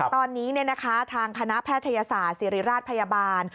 ตอนนี้ทางคณะแพทยศาสตร์ศิริราชพยาบาล